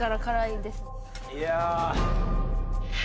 いや。